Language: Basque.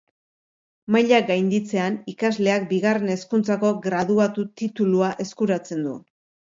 Maila gainditzean, ikasleak bigarren hezkuntzako graduatu titulua eskuratzen du.